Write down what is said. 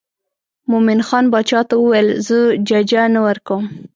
مومن خان باچا ته وویل زه ججه نه ورکوم.